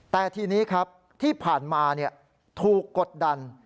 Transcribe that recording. แต่ทีนี้ครับที่ผ่านมาถูกกดดัน